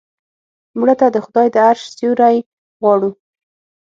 مړه ته د خدای د عرش سیوری غواړو